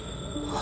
あ？